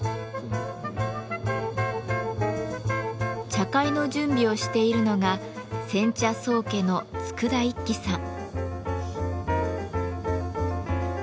茶会の準備をしているのが煎茶宗家の佃一輝さん。